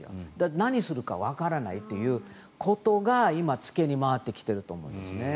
何をするかわからないということが今、付けに回ってきていると思うんですね。